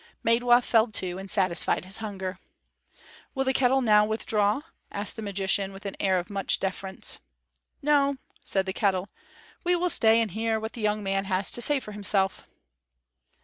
Maidwa fell to and satisfied his hunger. "Will the kettle now withdraw?" asked the magician, with an air of much deference. "No," said the kettle, "we will stay and hear what the young man has to say for himself."